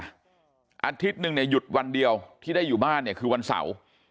อาทิตย์หนึ่งเนี่ยหยุดวันเดียวที่ได้อยู่บ้านเนี่ยคือวันเสาร์